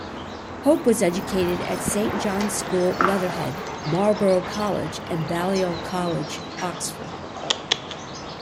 Hope was educated at Saint John's School, Leatherhead, Marlborough College and Balliol College, Oxford.